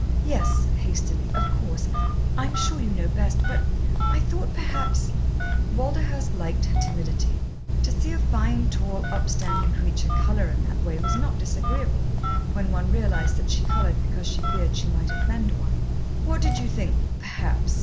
"Yes," hastily, "of course. I am sure you know best; but I thought perhaps " Walderhurst liked her timidity. To see a fine, tall, upstanding creature colour in that way was not disagreeable when one realised that she coloured because she feared she might offend one. "What did you think 'perhaps'?"